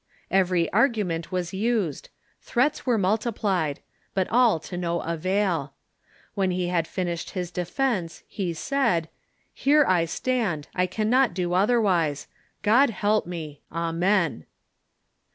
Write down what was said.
Every argument was used ; threats were multiplied; but all to no avail. When he had finished his defence, he said : "Here I stand ; I cannot do otherwise. God help me ! Amen."